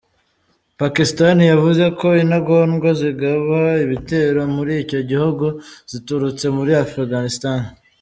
Pakistani yavuze ko intagondwa zigaba ibitero muri icyo gihugu ziturutse muri Afghanistani.